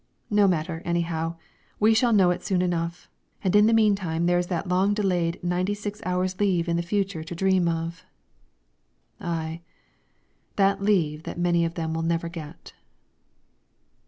No matter, anyhow. We shall know it soon enough, and in the meantime there is that long delayed ninety six hours' leave in the future to dream of " Aye, that leave that many of them will never get!